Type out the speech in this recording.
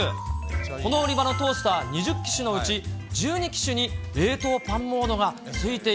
この売り場のトースター２０機種のうち１２機種に、冷凍パンモー